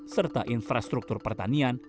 serta infrastruktur pertanian